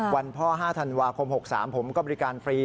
วันพ่อ๕ธันวาคม๖๓ผมก็บริการฟรี